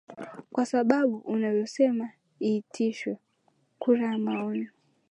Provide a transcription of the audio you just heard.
kwa sababu unavyosema iitishwe kura ya maoni